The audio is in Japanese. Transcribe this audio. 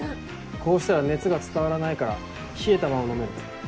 こうしたら熱が伝わらないから冷えたまま飲める。